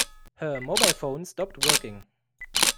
Her mobile phone stopped working.